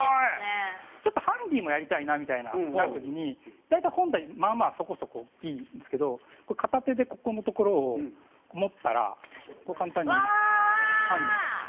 ちょっとハンディもやりたいなみたいな、なる時に大体、本体、まあまあそこそこ大きいんですけど片手で、ここの所を持ったら簡単にハンディになります。